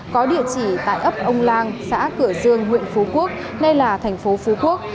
có địa chỉ tại ấp ông làng xã cửa dương huyện phú quốc đây là thành phố phú quốc